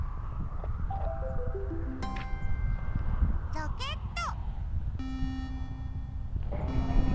ロケット。